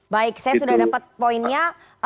baik saya sudah dapat poinnya